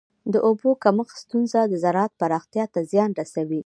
د اوبو د کمښت ستونزه د زراعت پراختیا ته زیان رسوي.